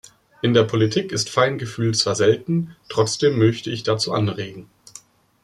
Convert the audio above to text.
In der Politik ist Feingefühl zwar selten, trotzdem möchte ich dazu anregen.